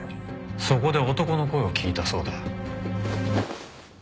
そこで男の声を聞いたそうだ。